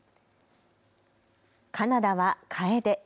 カナダはカエデ。